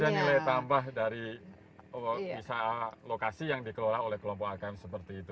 ada nilai tambah dari lokasi yang dikelola oleh kelompok agama seperti itu